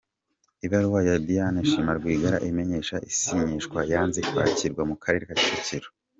Ibaruwa ya Diane Shima Rwigara imenyesha isinyishwa yanze kwakirwa mu karere ka Kicukiro